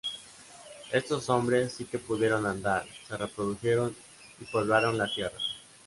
Estos hombres sí que pudieron andar, se reprodujeron y poblaron la tierra.